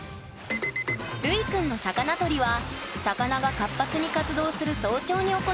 るいくんの魚取りは魚が活発に活動する早朝に行います。